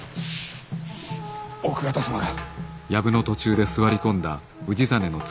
奥方様が。